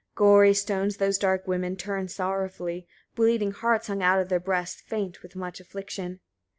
58. Gory stones those dark women turned sorrowfully; bleeding hearts hung out of their breasts, faint with much affliction.